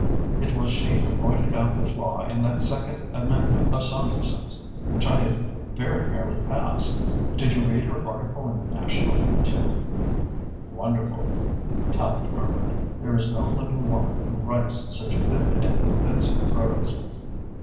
It was she who pointed out the flaw in that second amendment of Saunderson's, which I had very nearly passed. Did you read her article in the National, too?" "Wonderful!" Tallente murmured. "There is no living woman who writes such vivid and convincing prose."